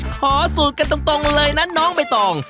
ขอสูตรกันตรงเลยนะน้องใบตอง